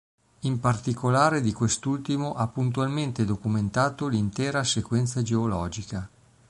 In particolare di quest'ultimo ha puntualmente documentato l'intera sequenza geologica.